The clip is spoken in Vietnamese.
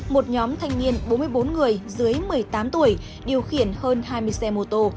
một nhóm thanh niên bốn mươi bốn người dưới một mươi tám tuổi điều khiển hơn hai mươi xe mô tô